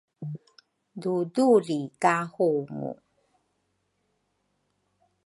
Duduli ka hungu